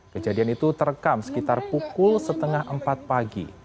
kejadian itu terekam sekitar pukul setengah empat pagi